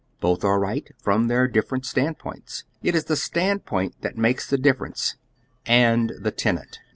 Both are right, from their different stand points. It is the stand point that makes the difference— and the tenant.